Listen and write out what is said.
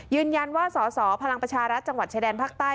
ยืนยันว่าสสพรรจชดพไต้